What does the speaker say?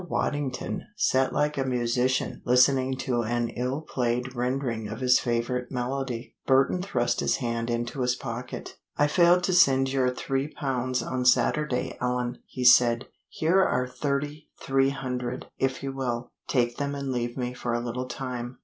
Waddington sat like a musician listening to an ill played rendering of his favorite melody. Burton thrust his hand into his pocket. "I failed to send you your three pounds on Saturday, Ellen," he said. "Here are thirty three hundred, if you will. Take them and leave me for a little time."